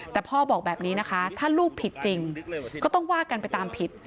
แต่พ่อบอกแบบนี้นะคะถ้าลูกผิดจริงก็ต้องว่ากันไปตามผิด